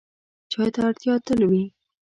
چای ته اړتیا تل وي.